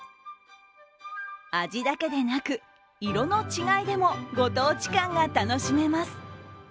味だけでなく、色の違いでもご当地感が楽しめます。